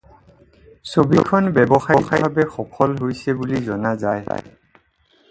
ছবিখন ব্যৱসায়িকভাৱে সফল হৈছিল বুলি জনা যায়।